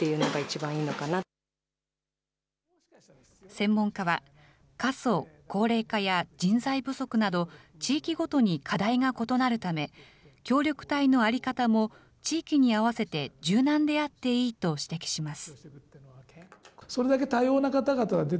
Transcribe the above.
専門家は、過疎・高齢化や人材不足など、地域ごとに課題が異なるため、協力隊の在り方も地域に合わせて柔軟であっていいと指摘します。